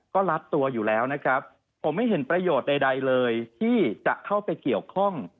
ก็รัดตัวอยู่แล้วนะครับผมไม่เห็นประโยชน์ใดเลยที่จะเข้าไปเกี่ยวข้อง